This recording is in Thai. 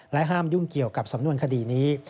ห้ามยุ่งเกี่ยวกับสำนวนคดีนี้